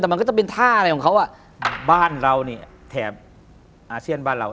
แต่มันก็จะเป็นท่าอะไรของเขาอ่ะบ้านเรานี่แถบอาเซียนบ้านเรา